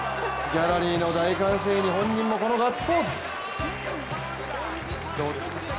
ギャラリーの大歓声に本人もこのガッツポーズ。